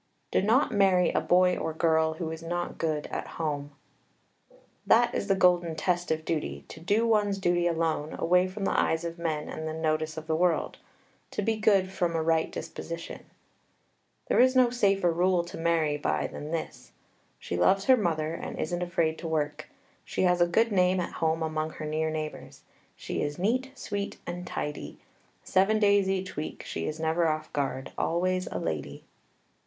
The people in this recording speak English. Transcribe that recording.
Do not marry a boy or girl who is not good at home. That is the golden test of duty, to do one's duty alone, away from the eyes of men and the notice of the world; to be good from a right disposition. There is no safer rule to marry by than this: "She loves her mother, and isn't afraid to work. She has a good name at home among her near neighbors. She is neat, sweet, and tidy. Seven days each week she is never off guard, always a lady."